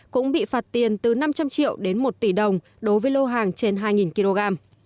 cũng bị phạt tiền từ năm trăm linh triệu đến một tỷ đồng đối với lô hàng trên hai kg